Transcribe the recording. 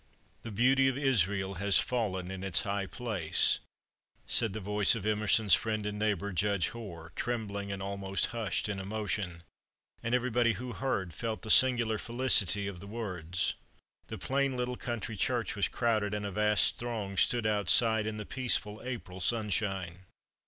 "The beauty of Israel has fallen in its high place," said the voice of Emerson's friend and neighbor, Judge Hoar, trembling and almost hushed in emotion, and everybody who heard felt the singular felicity of the words. The plain little country church was crowded, and a vast throng stood outside in the peaceful April sunshine.